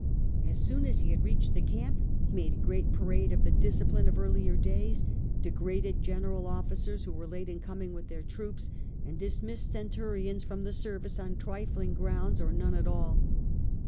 As soon as he had reached the camp he made a great parade of the discipline of earlier days, degraded general officers who w'ere late in coming with their troops, and dismissed centurions from the service on trifling grounds or none at all.